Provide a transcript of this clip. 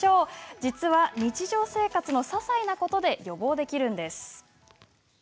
実は日常生活のささいなことで予防できるんです。